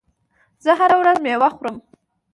زه هره ورځ میوه خورم.